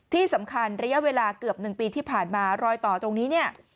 ที่สำคัญระยะเวลาเกือบ๑ปีที่ผ่านมารอยต่อตรงนี้เนี่ย